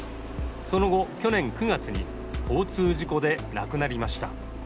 その後、去年９月に交通事故で亡くなりました。